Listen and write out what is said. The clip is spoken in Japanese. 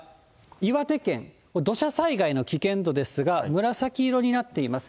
岩手県、土砂災害の危険度ですが、紫色になっています。